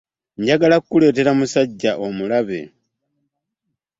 Njagala kukuleetera musajja omulabe.